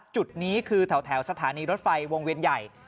จุดนี้คือแถวสถานีรถไฟวงเวียนใหญ่